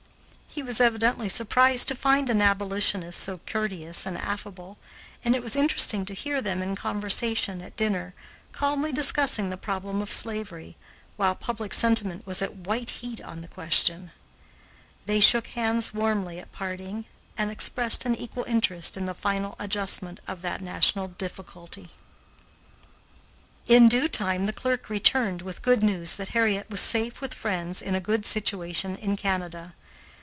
He was evidently surprised to find an abolitionist so courteous and affable, and it was interesting to hear them in conversation, at dinner, calmly discussing the problem of slavery, while public sentiment was at white heat on the question. They shook hands warmly at parting and expressed an equal interest in the final adjustment of that national difficulty. In due time the clerk returned with the good news that Harriet was safe with friends in a good situation in Canada.